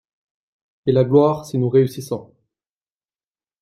Et la gloire, si nous réussissons !